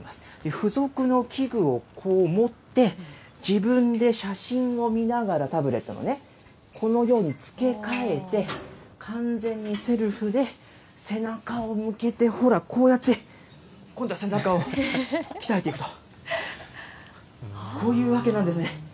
付属の器具をこう持って、自分で写真を見ながら、タブレットのね、このように付け替えて、完全にセルフで背中を向けて、ほら、こうやって、今度は背中を鍛えていく、こういうわけなんですね。